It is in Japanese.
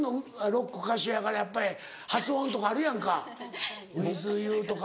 ロック歌手やからやっぱり発音とかあるやんかウィズユーとか。